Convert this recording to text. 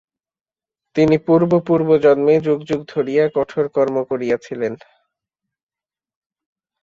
তিনি পূর্ব পূর্ব জন্মে যুগ যুগ ধরিয়া কঠোর কর্ম করিয়াছিলেন।